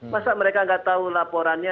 masa mereka nggak tahu laporannya